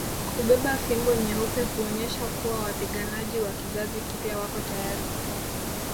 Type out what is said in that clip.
Kubeba fimbo nyeupe huonyesha kuwa wapiganaji wa kizazi kipya wako tayari